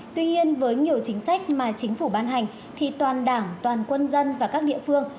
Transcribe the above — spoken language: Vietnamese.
tuy nhiên với nhiều chính sách mà chính phủ ban hành thì toàn đảng toàn quân dân và các địa phương